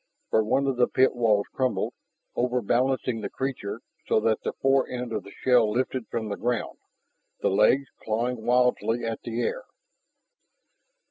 For one of the pit walls crumbled, over balancing the creature so that the fore end of the shell lifted from the ground, the legs clawing wildly at the air.